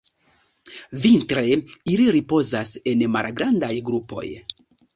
Vintre, ili ripozas en malgrandaj grupoj.